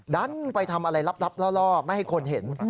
ดันไปทำอะไรลับล่อไม่ให้คนเห็น